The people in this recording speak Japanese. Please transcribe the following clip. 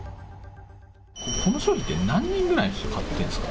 この商品って何人ぐらいの人たちが買ってるんですか？